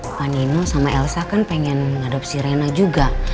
mbak nino sama elsa kan pengen mengadopsi reina juga